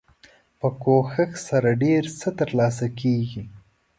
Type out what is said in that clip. په کوښښ سره ډیر څه تر لاسه کیږي.